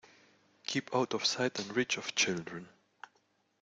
Keep out of sight and reach of children.